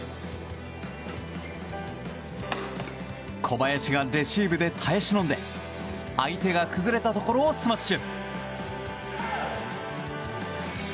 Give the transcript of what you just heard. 小林がレシーブで耐え忍んで相手が崩れたところをスマッシュ。